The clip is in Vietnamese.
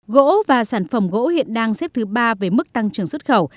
gỗ và sản phẩm gỗ hiện đang xếp thứ ba về mức tăng trưởng xuất khẩu